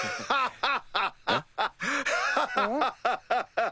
ハハハハ！